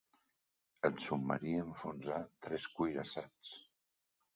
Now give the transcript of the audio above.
El submarí enfonsà tres cuirassats.